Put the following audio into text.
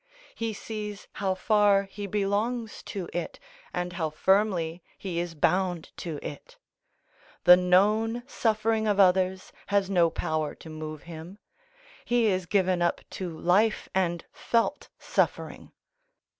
He sees how far he belongs to it, and how firmly he is bound to it; the known suffering of others has no power to move him; he is given up to life and felt suffering.